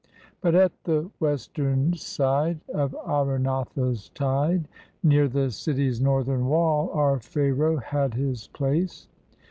But at the western side Of Arunatha's tide, Near the city's northern wall, our Pharaoh had his place.